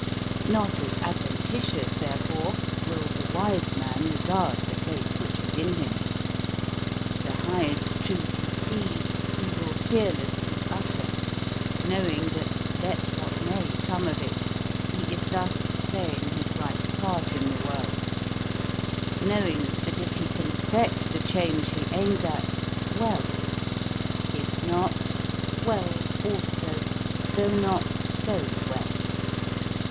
"Not as adventitious therefore will the wise man regard the faith which is in him. The highest truth he sees he will fearlessly utter; knowing that, let what may come of it, he is thus playing his right part in the world knowing that if he can effect the change he aims at well: if not well also; though not SO well."